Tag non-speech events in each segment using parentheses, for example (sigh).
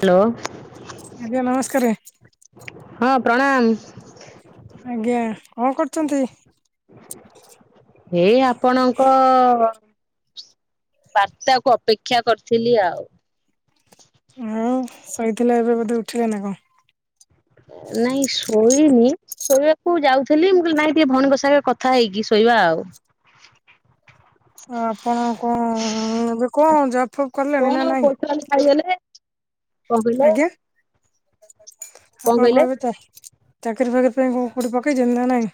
Hello ଆଜ୍ଞା ନମସ୍କାରେ। ହଁ ପ୍ରଣାମ। ଆଜ୍ଞା କଣ କରୁଚନ୍ତି? ଏଇ ଆପଣଙ୍କ ବାର୍ତ୍ତା କୁ ଅପେକ୍ଷା କରିଥିଲି ଆଉ। ଆଉ ଶୋଇଥିଲେ ଏବେ ବୋଧେ ଉଠିଲେ ନା କଣ? ନାଇଁ ଶୋଇନି। ଶୋଇବାକୁ ଯାଉଥିଲି। ମୁଁ କହିଲି ନାଇଁ ଟିକିଏ ଭଉଣୀଙ୍କ ସାଙ୍ଗେ କଥା ହେଇକି ଶୋଇବା ଆଉ। ଆଉ ଆପଣ କଣ ଏବେ କଣ ଜବ୍ ଫବ୍ କଲେଣି ନା ନାଇଁ? କାଲି ଖାଇଗଲେ। କଣ କହିଲେ ଆଜ୍ଞା ଆପଣ କଣ ଏବେ ଚ ଚାକିରି ଫାକିରି ପେଇଁ କଣ କୋଉଠି ପକେଇଚନ୍ତି ନା ନାଇଁ?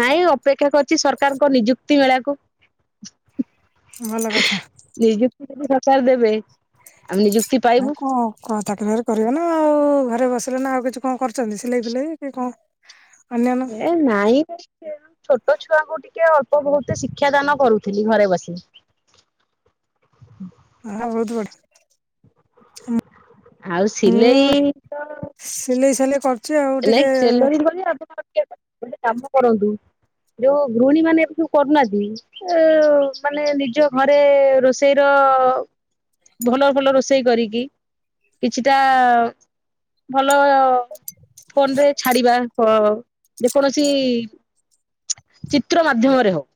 ନାଇଁ ଅପେକ୍ଷା କରିଚି ସରକାରଙ୍କ ନିଯୁକ୍ତି ମେଳାକୁ। ଭଲ କଥା। ନିଯୁକ୍ତି କୁପଚାରି ଦେବେ। ଆମେ ନିଯୁକ୍ତି ଆଉ ପାଇବୁ କଣ ଚାକିରି ଫାକିରି କରିବେ ନା ଆଉ ଘରେ ବସିଲେ ନା ଆଉ କିଛି କଣ କର ଯଦି ସିଲେଇ ଫିଲେଇ କି କଣ ଅନ୍ୟାନ୍ୟଚ ଏ ନାଇଁ, ଛୋଟ ଛୁଆ ଙ୍କୁ ଟିକେ ଅଳ୍ପ ବହୁତ ଶିକ୍ଷା ଦାନ କରୁଥିଲି ଘରେ ବସି। ହଁ ବହୁତ ବଢିଆ। ଆଉ ମୁଁ ସିଲେଇ। ତ ସିଲେଇ ସାଲେଇ କ। ନାଇଁ ଟେଲରିଙ୍ଗ କରି ଆପଣ ଗୋଟେ କାମ କରନ୍ତୁ। ଯୋଉ ଗୃହିଣୀ ମାନେ ଏବେ ସବୁ କରୁନାହାନ୍ତି। ଆ ମାନେ ନିଜ ଘରେ ରୋଷେଇ ର। ଭଲ ଭଲ ରୋଷେଇ କରିକି, କିଛିଟା ଭଲ। ଫୋନ ରେ ଛାଡିବା ହଁ ଯେ କୌଣସି। ଚିତ୍ର ମାଧ୍ୟମରେ ହଉ।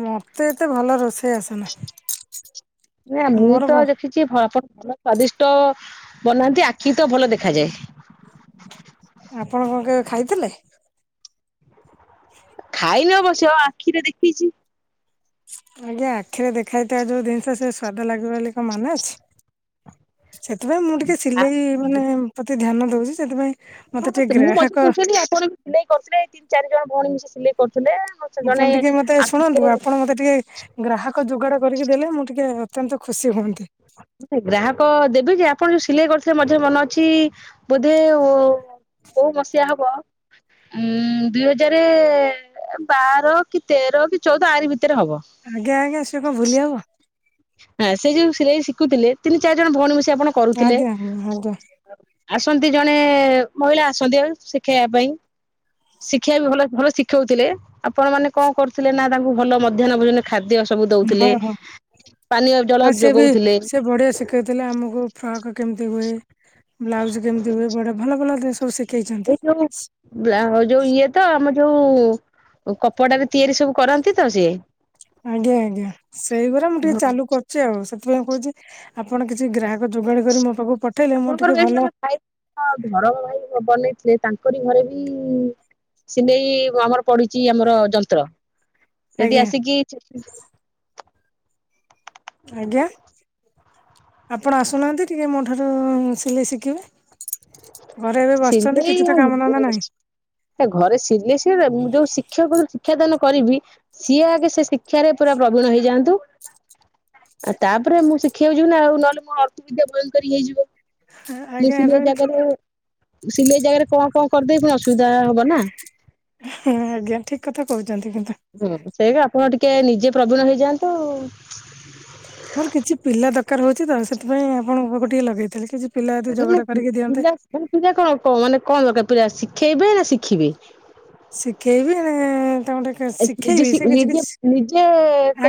ମତେ ଏତେ ଭଲ ରୋଷେଇ ଆସେନା। ମୋର। ସିଏ ଆପଣ ଭଲ ସ୍ଵାଦିଷ୍ଟ ବନାନ୍ତି ଆଖିକି ତ ଭଲ ଦେଖାଯାଏ। ଆପଣ କଣ କେବେ ଖାଇଥିଲେ? (unintelligible) ଖାଇନି ଅବଶ୍ୟ ଆଖିରେ ଦେଖିଚି। ଆଜ୍ଞା, ଆଖିରେ ଦେଖାଇଥିବା ଯୋଉ ଜିନିଷ ସେ ସ୍ଵାଦ ଲାଗିବ ବୋଲି କଣ ମାନେ ଅଛି। ସେଥିପାଇଁ ମୁଁ ଟିକେ ସିଲେଇ ମାନେ ପ୍ରତି ଧ୍ୟାନ ଦଉଚି ସେଥିପାଇଁ। ମତେ ଟିକେ ଗ୍ରାହକ (unintelligible) ଯେମିତିକି ମତେ ଆଖିରେ ଶୁଣନ୍ତୁ, ଆପଣ ମତେ ଟିକେ। ଗ୍ରାହକ ଯୋଗାଡ଼ କରିକି ଦେଲେ ମୁଁ ଟିକେ ଅତ୍ୟନ୍ତ ଖୁସି ହୁଅନ୍ତି। ଗ୍ରାହକ ଦେବି ଯେ ଆପଣ ଯୋଉ ସିଲେଇ କରୁଥିଲେ ମଝିରେ ମନେ ଅଛି। ବୋଧେ କୋଉ ମସିହା ହବ ଉ ଦୁଇ ହଜାରେ। ବାର କି ତେର କି ଚଉଦ ଆରିି ଭିତେରେ ହବ। ଆଜ୍ଞା ଆଜ୍ଞା ସେ କଣ ଭୁଲି ହବ। ହଁ, ସେ ଯୋଉ ସିଲେଇ ଶିଖୁଥିଲେ ତିନି, ଚାରି ଜଣ ଭଉଣୀ ମିଶି ଆପଣ ଆଜ୍ଞା କରୁଥିଲେ। ଆଜ୍ଞା ଆଜ୍ଞା ଆସନ୍ତି ଜଣେ ମହିଳା ଆସନ୍ତି ଆଉ ଶିଖେଇଆ ପାଇଁ। ଶିଖେଇବେ ବି ଭଲ ଭଲ ଶିଖଉଥିଲେ, ଆପଣ ମାନେ କଣ କରୁଥିଲେ ନା ତାଙ୍କୁ ଭଲ ମଧ୍ୟାହ୍ନ ଭୋଜନ। ଖାଦ୍ୟ ସବୁ ଦଉଥିଲେ, ହଁ ହଁ ପାନୀୟ ଜଳ ଯୋଗଉଥିଲେ। ବଢଆ ଶିକ। ଶିଖେଇଥିଲେ ଆମୁକୁ ଫ୍ରକ୍ କେମିତି ହୁଏ, ବ୍ଲାଉଜ କେମିତି ହୁଏ, ବଡ ଭଲ ଭଲ ଡେ ସବୁ ଶିଖ। ଏଇ କେଇଚନ୍ତି। ଯୋଉ ଇଏ ତ ଆମ ଯୋଉ। ଓ କପଡାରେ ତିଆରି ସବୁ କରନ୍ତି ତ ସିଏ। ଆଜ୍ଞା ଆଜ୍ଞା, ସେଇଗୁରା ମୁଁ ଟିକେ ହଁ ଚାଲୁ କର। ଚି ଆଉ, ସେଥିପାଇଁ କହୁଚି ଆପଣ କିଛି ଗ୍ରାହାକ ଯୋଗାଡ କରି ମୋ ପାଖକୁ ପଠେଇଲେ ମୁଁ ଟିକେ ଆପଣଙ୍କର ଭଲ। ଭାଇ ଘର ଭାଇ ବନେଇଥିଲେ ତାଙ୍କରି ଘରେ ବି। ସିଲେଇ ଆମର ପଡିଚି ଆମର ଯନ୍ତ୍ର ଯଦି ଆଜ୍ଞା ଆସିକି। ଆଜ୍ଞା। ଆପଣ ଆସୁନାହାନ୍ତି ଟିକେ ମୋ ଠାରୁ ସିଲେଇ ଶିକିବେ। ଘରେ ଏବେ ବସିଚନ୍ତି ସିଲେଇ କିଛି ଆ ତ କାମଧନ୍ଦା ନାହିଁ। ଘରେ ସିଲେଇ ସିଏ ଯୋଉ ଶିକ୍ଷକ ଶିକ୍ଷାଦାନ କରିବି। ସିଏ ଆଗେ ସେ ଶିକ୍ଷାରେ ପୁରା ପ୍ରବୀଣ ହେଇଯାଆନ୍ତୁ। ଆଉ ତାପରେ ମୁଁ ଶିଖିଆକୁ ଯିବି ନା ଆଉ। ନହେଲେ ମୋ ଅର୍ଥବିଦ୍ୟା ଭୟଙ୍କରୀ ହେଇଯିବ। ମୁଁ ଆଜ୍ଞା ଏଟା ସିଲେଇ ଜାଗାରେ, ସିଲେଇ ଜାଗାରେ କଣ କଣ କରିଦେବି ପୁଣି ଅସୁବିଧା ହବ ନା। ହୁଁ ଆଜ୍ଞା, ଠିକ୍ କଥା କହୁଚନ୍ତି କିନ୍ତୁ। ହୁଁ ସେଇ ଆପଣ ଟିକେ ନିଜେ ପ୍ରବୀଣ ହେଇଯାଆନ୍ତୁ ମୋର କିଛି ପିଲା ଦରକାର ହଉଛି ତ ସେଥିପାଇଁ ଆପଣ ପାଖକୁ ଟିକେ ଲଗେଇଥିଲେ କିଛି ପିଲା ଯଦି ଯୋଗାଡ଼ା କରିକି ଦିଅନ୍ତେ ମ ପିଲା କଣ କ ମାନେ କଣ ଦରକାର ପିଲା ଶିଖେଇବେ ନା ଶିଖିବେ? ଶିଖେଇବି ତାଙ୍କୁ ଟିକେ ଶିଖେଇବି ନିଜେ ସେ କିଛି ନିଜେ କିଛି ନିଜେ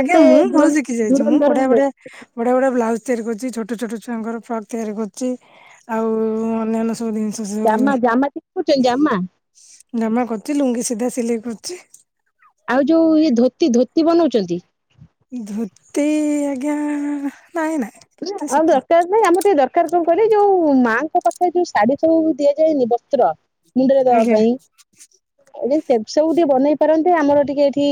ଆଜ୍ଞା ମୁଁ ଦୂର ଭଲ ଶିଖି ଯାଇଛି ମୁଁ ଧୁରନ୍ଧର ବଢିଆ ହେଲେ ବଢିଆ ବଡ଼ିଆ ବଢ଼ିଆ ବ୍ଲାଉଜ ତିଆରି କରୁଛି ଛୋଟ ଛୋଟ ଛୁଆଙ୍କର ଫ୍ରକ୍ ତିଆରି କରୁଛି। ଆଉ ଅନ୍ୟାନ୍ୟ ସବୁ ସବୁ ଜିନିଷ ସି (unintelligible) ଜାମା ଜାମା ଶିଖୁଛ ଜାମା। ଜାମା କରୁଛି ଲୁଙ୍ଗି ସିଧା ସିଲେଇ କରୁଛି। ଆଉ ଯୋଉ ଇଏ ଧୋତି ଧୋତି ବନଉଛନ୍ତି। ଧୋତି ଆଜ୍ଞା ନାଇଁ ନାଇଁ ଧୋତି ଯାହା ଶିଖିନି ଦରକାର। ନାଇଁ ଆମର ଟିକେ ଦରକାର କଣ କହିଲେ ଯୋଉ ମାଆଙ୍କ ପାଖରେ ଯୋଉ ଶାଢୀ ସବୁ ଦିଆଯାଏନି ବସ୍ତ୍ର। ମୁଣ୍ଡରେ ଦବା ଆଜ୍ଞା। ପାଇଁ ଯଦି ସେ ସବୁ ଟିକେ ବନେଇ ପାରନ୍ତେ ଆମର ଟିକେ ଏଠି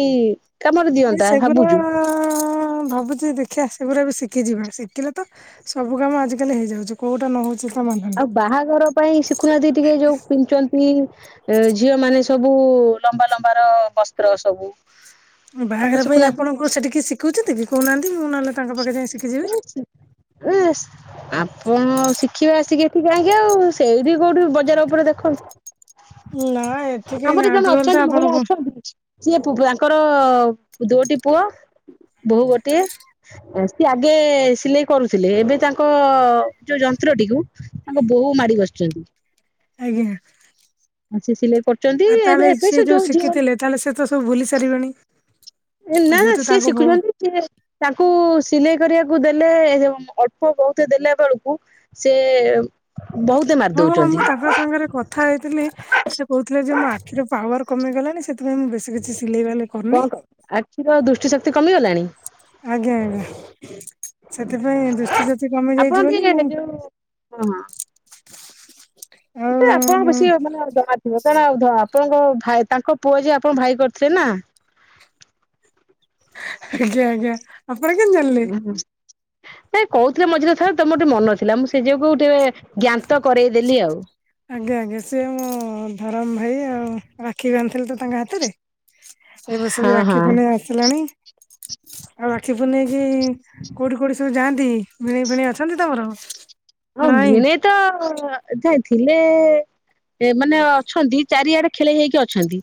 କାମରେ ନାଇ ଦିଅନ୍ତା ଭାବୁଛୁ। ସେଗୁରାଆଆଆଆଆଆ ଭାବୁ ଦେଖିଆ ସେଗୁରା ବି ଶିଖିଯିବା ଶିଖିଲେ ତ ସବୁ କାମ ଆଜିକାଲି ହେଇଯାଉଛି କୋଉଟା ନ ହଉଛି ଯେ ଆଉ ସମାଧାନ। ବାହାଘର ପାଇଁ ଶିଖୁନାହାନ୍ତି ଟିକେ ଯୋଉ ପିନ୍ଧୁଛନ୍ତି ଏ ଝିଅ ମାନେ ସବୁ ଲମ୍ବା ଲମ୍ବାର ବସ୍ତ୍ର ସବୁ ତାକୁ ବାହାଘର ପାଇଁ ଆପଣଙ୍କୁ ସେଠି କିଏ ଶିଖଉଛନ୍ତି କି? କହୁନାହାନ୍ତି ମୁଁ ନହେଲେ ତାଙ୍କ ପାଖେ ଯାଇଁ ଶିଖିଯିବି। ଇସ୍ ଆପଣ ଶିଖିବେ ଆସିକି ଏଠିକି କାହିଁକି ଆଉ ସେଇଠି କୋଉଠି ବଜାର ଉପରେ ନା ଦେଖନ୍ତୁ। ଏଠି କେହି ଆମର ନାହାନ୍ତି ଜଣେ ବୋଲି ତ ଅଛନ୍ତି ମହିଳା ଆପଣଙ୍କୁ ଅଛନ୍ତି କି (unintelligible) ସିଏ ଭୂବ ତାଙ୍କର ଦୋ ଟି ପୁଅ ବୋହୂ ଗୋଟିଏ। ସିଏ ଆଗେ ସିଲେଇ କରୁଥିଲେ ଏବେ ତାଙ୍କ ଯୋଉ ଯନ୍ତ୍ରଟିକୁ ତାଙ୍କ ବୋହୂ ମାଡ଼ି ବସିଛନ୍ତି। ଆଜ୍ଞା। ସିଏ ସିଲେଇ କରୁ ଆ ତାହେଲେ ସିଏ ଯୋଉ ଶିଖିଥିଲେ ତାହେଲେ ସେ ତ ସବୁ ଭୁଲି ସାରିବେଣିି! ନା ନା ସିଏ ଶିଖୁଛନ୍ତି ସିଏ ତାଙ୍କୁ ସିଲେଇ କରିବାକୁ ଦେଲେ, ଅଳ୍ପ ବହୁତ ଦେଲା ବେଳକୁ ସେ ବହୁତେ ମାରି ହଁ ହଁ ଦଉଛନ୍ତି ମୁଁ ତାଙ୍କର ତାଙ୍କ ସାଙ୍ଗରେ କଥା ହେଇଥିଲି ସେ କହୁଥିଲେ ଯେ ମୋ ଆଖିର ପାୱାର କମି ଗଲାଣି ସେଥିପାଇଁ ମୁଁ ବେଶୀ ବେଶୀ କିଛି ସିଲେଇ ବାଲେଇ କଣ କରୁନି କ ଆଖିର ଦୃଷ୍ଟି ଶକ୍ତି କମିଗଲାଣି! ଆଜ୍ଞା ଆଜ୍ଞା ସେଥିପାଇଁ ଦୃଷ୍ଟି ଶକ୍ତି କମି ଆପଣ ଯାଇଛି ବୋଲି ଟିକେ ମୁଁ ଯୋଉ ହଁ ହଁ। (inaudible) ଏ ଆପଣ ଆଉ ବେଶୀ ମାନେ ଯମା (unintelligible) ଆପଣଙ୍କ ଆପଣଙ୍କ ଭା ତାଙ୍କ ପୁଅ ଯିଏ ଆପଣଙ୍କୁ ଭାଇ କରିଥିଲେ ନା (unintelligible) ଆଜ୍ଞା ଆଜ୍ଞା ଆପଣ କେମିତି ଜାଣିଲେ? ନାଇଁ କହୁଥିଲେ ମଝିରେ ଥରେ ତ ମୋର ଟିକେ ମନେ ନ ଥିଲା ମୁଁ ସେ ଯୋଗୁ ଟିକେ ଜ୍ଞାତ କରେଇଦେଲି ଆଉ ଆଜ୍ଞା ଆଜ୍ଞା ସିଏ ମୋ ଧରମ ଭାଇ ଆଉ ରାକ୍ଷୀ ବାନ୍ଥିଲି ତ ତାଙ୍କ ହାତରେ, ଏ ବର୍ଷ ବି ହଁ ହଁ ରାକ୍ଷୀ ପୁନେଇ ଆସିଲାଣି ରାଖି ପୁନେଇ କି କୁଉଠି କୁଉଠି ସବୁ ଯାଆନ୍ତି, ଭିଣେଇ ଫିଣେଇ ଅଛନ୍ତି ତମର? ହଁ ନା ନାଇଁ? ଭିଣେଇ ତ ଯାଇ ଥିଲେ ଏ ମାନେ ଅଛନ୍ତି ଚାରିଆଡେ ଖେଳେଇ ହେଇକି ଅଛନ୍ତି।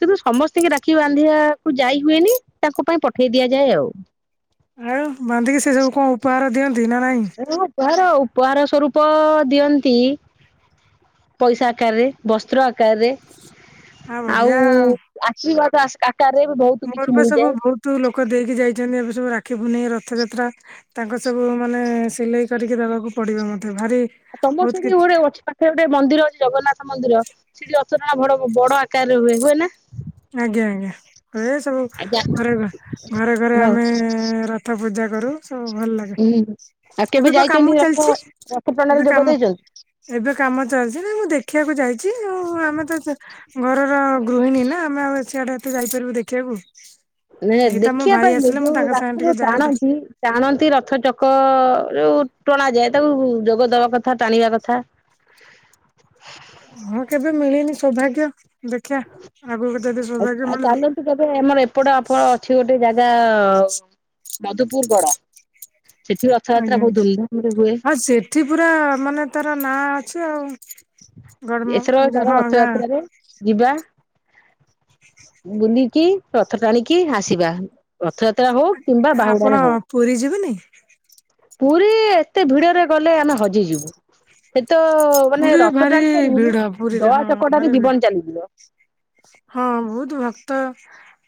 କିନ୍ତୁ ସମସ୍ତଙ୍କୁ ରାକ୍ଷୀ ବାନ୍ଧିବାକୁ ଯାଇ ହୁଏନି ତାଙ୍କ ପାଇଁ ପଠେଇ ଦିଆଯାଏ ଆଉ। ଆଉ ବାନ୍ଧିକି ସେ ସବୁ କଣ ଉପହାର ଦିଅନ୍ତି ନା ନାଇଁ? ପହାର ଉପହାର ସ୍ୱରୂପ ଦିଅନ୍ତି ପଇସା ଆକାରରେ ବସ୍ତ୍ର ଆକାରରେ ଆ ଆଉ ବଢିଆ ଆଶୀର୍ବାଦ ଆଶ୍ ଆ ତାର ଏବେ ବହୁ ମୋର ବା ସବୁ ବହୁତ ଲୋକ ଦେଇକି ଯାଇଛନ୍ତି ଏବେ ସବୁ ରାକ୍ଷୀ ପୁନେଇଁ ରଥଯାତ୍ରା ତାଙ୍କ ସବୁ ମାନେ ସିଲେଇ କରିକି ଦେବାକୁ ପଡିବ ମତେ ଭାରି ଆ ତମ ବହୁତ ସେଠି କିଛି ଗୋଟେ ଅଛି ପାଖରେ ଗୋଟେ ମନ୍ଦିର ଅଛି ଜଗନ୍ନାଥ ମନ୍ଦିର ସେଠି ଅ ସୁନା ବଡ ବଡ ଆକାରରେ ହୁଏ ହୁଏ ନା? ଆଜ୍ଞା ଆଜ୍ଞା ହୁଏ ସବୁ ଆଜ୍ଞା ଘରେ ଘରେ ଘରେ ଘରେ ହଉ ଆମେ ପାଠ ପୂଜା କରୁ ସବୁ ଭଲ ଲାଗେ। ହୁଁ ଆଉ କେବେ ଏବେ ବା ଯାଇଛନ୍ତି କାମ ରଥ ଚାଲିଚି ରଥ ଟଣାରେ ଏବେ ଯୋଗ କାମ ଦେଇଛନ୍ତି? ଏବେ କାମ ଚାଲିଛି ନା ମୁଁ ଦେଖିବାକୁ ଯାଇଛି ଉଁ ଆମେ ତ ଘରର ଗୃହିଣୀ ନା ଆମେ ଆଉ ସିଆଡେ ଏତେ ଯାଇପାରିବୁ ଦେଖିଆକୁ? ନାଇ ଦେଖିବା ପାଇଁ ନୁହେଁ ଯୋଉ ରାତିରୁ ଯାଏ ଟାଣନ୍ତି। ଟାଣନ୍ତି ରଥ ଚକ ରୁ ଟଣା ଯାଏ ତାକୁ ଯୋଗ ଦବା କଥା ଟାଣିବା କଥା। ହଁ କେବେ ମିଳିନି ସୌଭାଗ୍ୟ ଦେଖିବା ଆଗକୁ ଯଦି ଆଉ ସୌଭାଗ୍ୟ ଆଉ ମିଳିବ। ଚାଲନ୍ତୁ କେବେ ଆମର ଏପଟ ଆପଣ ଅଛି ଗୋଟେ ଜାଗା ମଧୁପୁର ଗଡ ସେଠି ରଥଯାତ୍ରା ବହୁତ ଧୁମଧାମ ରେ ହୁଏ। ଏଠି ପୁରା ମାନେ ତାର ନାଁ ଅଛି ଆଉ। ଗଡମ ଏଥର ଚାଲ ହଁ ଗାଁ ରଥଯାତ୍ରାରେ ଯିବା ବୁଲିକି ରଥ ଟାଣିକି ଆସିବା। ରଥଯାତ୍ରା ହଉ କିମ୍ବା ଆପଣ ବାହୁଡାରେ ହଉ। ପୁରୀ ଯିବେନି? ପୁରୀ ଏତେ ଭିଡରେ ଗଲେ ଆମେ ହଜିଯିବୁ ସେ ତ ମାନେ ର ରି ଭିଡ ପୁରୀରେ ହଁ ଭାରି ଜୀବନ ଭିଡ। ଚାଲିଯିବ ହଁ ବହୁତ ଭକ୍ତ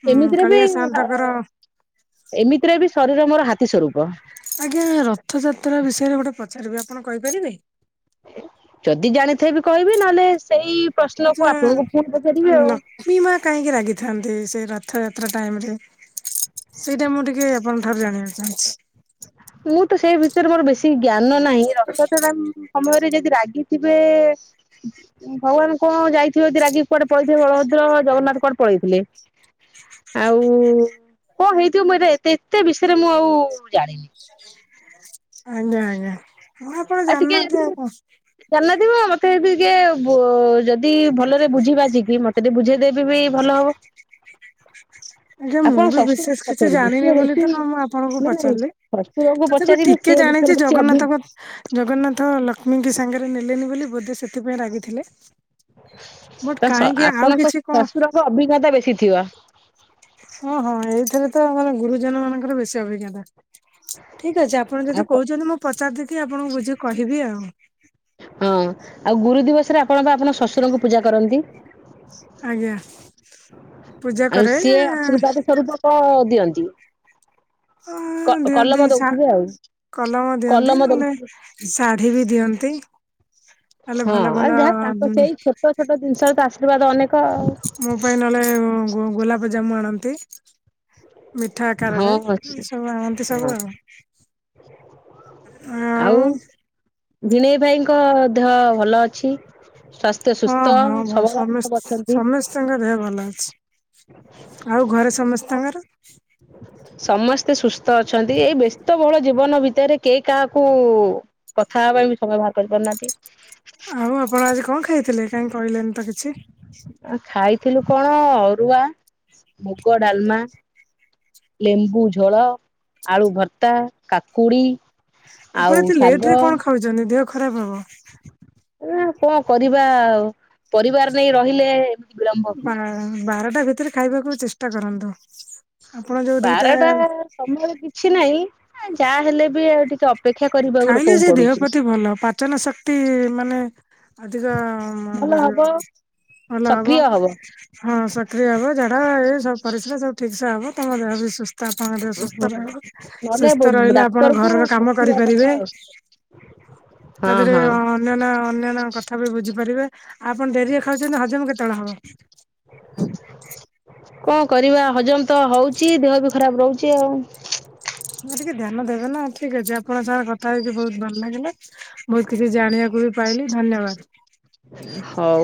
ଉଁ ଏମିତିରେ ବି କାଳିଆ ଆ ସାଆନ୍ତଙ୍କର ଏମିତିରେ ବି ଶରୀର ମୋର ହାତୀ ସ୍ୱରୂପ। ଆଜ୍ଞା ରଥଯାତ୍ରା ବିଷୟରେ ଗୋଟେ ପଚାରିବି ଆପଣ କହିପାରିବେ? ଯଦି ଜାଣିଥିବି କହିବି ନହେଲେ ସେଇ ପ୍ରଶ୍ନକୁ ଆପଣଙ୍କୁ ପୁଣି ପଚାରିବି ଆଉ। ଲଷ୍ମୀମା କାହିଁକି ରାଗିଥାନ୍ତି ସେ ରଥଯାତ୍ରା ଟାଇମ ରେ? ସେଇଟା ମୁଁ ଟିକେ ଆପଣଙ୍କ ଠାରୁ ଜାଣିବାକୁ ଚାହୁଁଛି। ମୁଁ ତ ସେଇ ଭିତରେ ମୋର ବେଶୀ ଜ୍ଞାନ ନାହିଁ ରଥାଯାତ୍ରା ଟାଇମ୍ ସମୟରେ ଯଦି ରାଗିଥିବେ ଭଗବାନ କଣ ଯାଇଥିବ ଯିଏ ରାଗିକି କୁଆଡେ ପଳେଇଥିବେ ବଳଭଦ୍ର ଜଗନ୍ନାଥ କୁଆଡେ ପଳେଇଥିଲେ? ଆଉ କଣ ହେଇଥିବ ମୁଁ ଏଟା ଏତେ ଏତେ ବିଷୟରେ ମୁଁ ଆଉ ଜାଣିନି। ଆଜ୍ଞା ଆଜ୍ଞା ହଁ ଆପଣ ଆଉ ଟିକେ ଯଦି ଜାଣିନାହାନ୍ତି ଆଉ କଣ। ଜାଣିନଥିବ ମତେବି କିଏ ଯଦି ଭଲରେ ବୁଝି ବାଝିକି ମତେ ସେଠି ବୁଝେଇଦେବି ବି ଭଲ ହବ। (inaudible) ଆଜ୍ଞା ମୁଁ ଆପଣ ବି ଶ୍ୱଶୁରଙ୍କୁ ବିଶେଷ କିଛି ପଚାରିବେ ଜାଣିନି ସିଏ ବୋଲି ତ ବେଶୀ ମୁଁ ଆପଣଙ୍କୁ ନା ନାଇଁ ପଚାରିଲି ଶଶୁରଙ୍କୁ ତଥାପି ଟି ପଚାରିବେ କିଏ ସିଏ ବିଷୟରେ ଜାଣିଛି ବେଶୀ ଅଭି ଜଗନ୍ନାଥଙ୍କ ଜଗନ୍ନାଥ ଲକ୍ଷ୍ମୀଙ୍କ ସାଙ୍ଗରେ ନେଲେନି ବୋଲି ବୋଧେ ସେଥିପାଇଁ ରାଗିଥିଲେ। ବଟ୍ ତ ସ କାହିଁକି ଆଉ ଆପଣଙ୍କ କିଛି କଣ ଶଶୁରଙ୍କ ଅଭିଜ୍ଞତା ବେଶୀ ଥିବ। ଓଁ ହଁ ଏଇଥିରେ ତ ଆମର ଗୁରୁଜନ ମାନଙ୍କର ବେଶୀ ଅଭିଜ୍ଞତା। ଠିକ୍ ଅଛି ଆପଣ ଯଦି ଆଉ କହୁଛନ୍ତି ମୁଁ ପଚାରି ଦେଇକି ଆପଣଙ୍କୁ ବୁଝିକି କହିବି ଆଉ। ହଁ ଆଉ ଗୁରୁ ଦିବସରେ ଆପଣ ବା ଆପଣ ଶଶୁରଙ୍କୁ ପୂଜା କରନ୍ତି। ଆଜ୍ଞା ପୂଜା ଆଉ କରେ ସିଏ ଆଶୀର୍ବାଦ ସ୍ୱରୂପ କଣ ଦିଅନ୍ତି। ହଁ କ କଲମ ଦିଅନ୍ତି ଶା ଦଉଥିବେ ଆଉ କଲମ ଦିଅନ୍ତି କଲମ ନହେଲେ ଦଉଥିବେ ଶାଢୀ ବି ଦିଅନ୍ତି। ନହେଲେ ହଁ ଭଲ ଆ ଭଲ ଯାହା ତାଙ୍କ ଉଁ ସେଇ ଛୋଟ ଛୋଟ ଜିନିଷର ତ ଆଶୀର୍ବାଦ ଅନେକ। ମୋ ପାଇଁ ନହେଲେ ଗୋଲାପଜାମୁ ଆଣନ୍ତି। ମିଠା ଆକାରରେ ଆଉ ହଁ ଏ ଅଛି ସବୁ ଆଣନ୍ତି ହଁ ସବୁ ଆଉ? ଆଉ ଭେଣେଇ ଭାଇଙ୍କ ଦେହ ଭଲ ଅଛି ସ୍ୱାସ୍ଥ୍ୟ। ହଁ ସୁସ୍ଥ ହଁ ଭ ସବଳ ସବୁ ସମସ୍ତ ଅଛନ୍ତି। ସମସ୍ତିଙ୍କ ଦେହ ଭଲ ଅଛି। ଆଉ ଘରେ ସମସ୍ତଙ୍କର। (inaudible) ସମସ୍ତେ ସୁସ୍ଥ ଅଛନ୍ତି ଏଇ ବ୍ୟସ୍ତ ବହୁଳ ଜୀବନ ଭିତରେ କେଇ କାହାକୁ। କଥା ହେବା ପାଇଁ ବି ସମୟ ବାହାର କରିପାରୁନାହାନ୍ତି। ଆଉ ଆପଣ ଆଜି କଣ ଖାଇଥିଲେ କାହିଁ କହିଲେନି ତ କିଛି। ଆ ଖାଇଥିଲୁ କଣ ଅରୁଆ ମୁଗ ଡାଲ୍‌ମା। ଲେମ୍ବୁ ଝୋଳ ଆଳୁ ଭର୍ତ୍ତା କାକୁଡି। ଆପଣ ଆଉ ଏତେ ଲେଟ୍ ଶାଗ ରେ କଣ ଖାଉଛନ୍ତି ଦେହ ଖରାପ ହବ। ନା କଣ କରିବା ଆଉ ପରିବାର ନେଇ ରହିଲେ ଏମିତି ବିଳମ୍ବ ବା ହୁଏ। ବାରଟା ଭିତରେ ଖାଇବାକୁ ଚେଷ୍ଟା କରନ୍ତୁ। ଆପଣ ଯୋଉ ଦିଟା ବାରଟା ସମୟରେ କିଛି ନାହିଁ ଯାହା ହେଲେ ବି ଆଉ ଟିକେ ଅପେକ୍ଷା କରିବ। ଖାଇଲେ ଯେ ଦେହ ପ୍ରତି ଭଲ ପାଚନ ଶକ୍ତି ମାନେ। ଅଧିକ ବ ଭଲ ହବ ଭଲ ହବ। ହଁ ସକ୍ରିୟ ହବ ଯାଡା ଏଇ ସବ ପରିସ୍ରା ସବୁ ଠିକ୍ ସେ ହବ ତମ ଦେହ ବି ସୁସ୍ଥ। ଆପଣଙ୍କ ସୁସ୍ଥ ରହିବ ନହେଲେ ସୁସ୍ଥ ରହିଲେ ଆପଣ ଡାକ୍ତରକୁ ଘରର କାମ କରି। ପୋଷିବା କରିବେ କଥା ଆଉ ତା ହଁ ଦେରେ। ହଁ ଅନ୍ୟ ଅନ୍ୟନ୍ୟ କଥା ବି ବୁଝିପାରିବେ ଆଉ ଆପଣ ଡେରିରେ ଖାଉଛନ୍ତି ହଜମ କେତେବେଳେ ହବ। କଣ କରିବା ହଜମ ତ ହଉଛି ଦେହ ବି ଖରାପ ରହୁଛି ଆଉ। ନା ଟିକେ ଧ୍ୟାନ ଦେବେ ନା ଠିକ୍ ଅଛି ଆପଣ ସ କଥା ହେଇକି ବହୁତ୍ ଭଲ ଲାଗିଲା। ବହୁତ୍ କିଛି ଜାଣିବାକୁ ବି ପାଇଲି ଧନ୍ୟବାଦ୍। ହଉ।